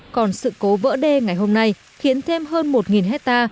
còn sự cố vỡ đê ngày hôm nay khiến thêm hơn một hectare